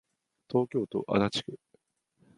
東京都足立区